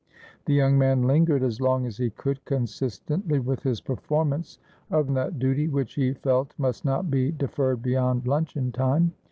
The young man lingered as long as he could, consistently with his performance of that duty which he felt must not be deferred beyond luncheon time.